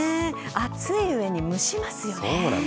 暑い上に蒸しますよね。